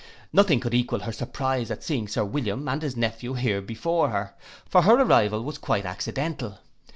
Nothing could equal her surprize at seeing Sir William and his nephew here before her; for her arrival was quite accidental.